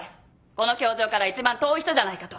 この教場から一番遠い人じゃないかと。